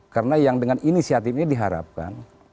karena yang dengan inisiatif ini diharapkan